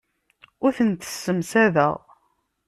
Ur tent-ssemsadeɣ.